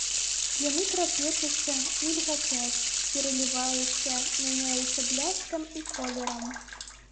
Яны трапечуцца, мільгацяць, пераліваюцца, мяняюцца бляскам і колерам.